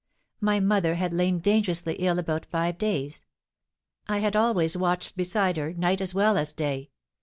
My mother had lain dangerously ill about five days; I had always watched beside her, night as well as day.